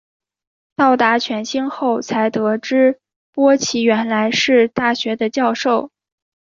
到达犬星后才得知波奇原来是大学的教授。